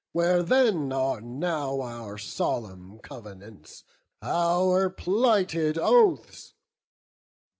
Where then are now our solemn covenants, Our plighted oaths?